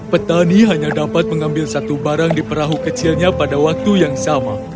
petani hanya dapat mengambil satu barang di perahu kecilnya pada waktu yang sama